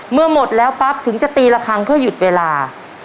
เมื่อหมดแล้วปั๊บถึงจะตีละครั้งเพื่อหยุดเวลา